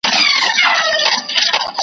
چای د ډېرو خلکو خوښ څښاک دی.